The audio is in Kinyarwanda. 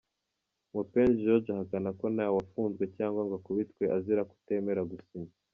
Mupenzi George ahakana ko nta wafunzwe cyangw ngo akubitwe azira kutemera gusinya .